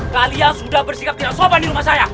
kalian sudah bersikap tidak sopan di rumah saya